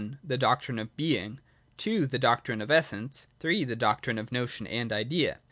The Doctrine of Being: II. The Doctrine of Essence: III. The Doctrine of Notion and Idea.